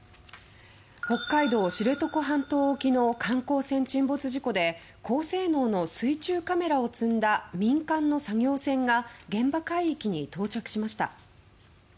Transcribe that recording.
北海道知床半島沖の観光船沈没事故で高性能の水中カメラを積んだ民間の作業船が現場海域に到着しました。